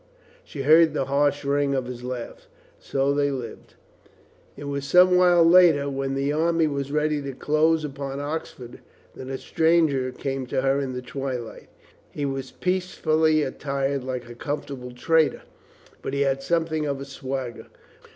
... She heard the harsh ring of his laugh. So they lived. It was some while later, when the army was ready to close upon Oxford, that a stranger came to her in the twilight. He was peacefully attired, like a comfortable trader, but he had something of a swagger.